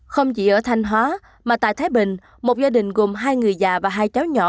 không chỉ ở thanh hóa mà tại thái bình một gia đình gồm hai người già và hai cháu nhỏ